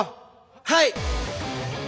はい！